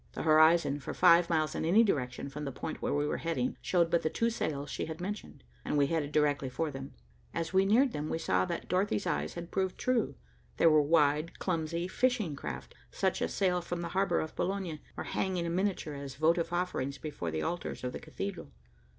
The horizon, for five miles in any direction from the point where we were heading, showed but the two sails she had mentioned, and we headed directly for them. As we neared them, we saw that Dorothy's eyes had proved true. They were wide, clumsy, fishing craft, such as sail from the harbor of Boulogne, or hang in miniature as votive offerings before the altars of the cathedral.